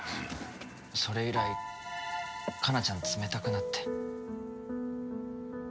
それ以来加奈ちゃん冷たくなって。